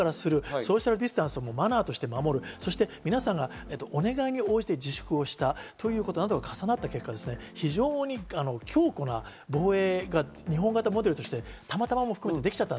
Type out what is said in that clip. ソーシャルディスタンスをマナーとして守る、そして皆さんがお願いに応じて自粛したということなどが重なった結果、非常に強固な防衛が日本型モデルとしてたまたまも含めてできちゃった。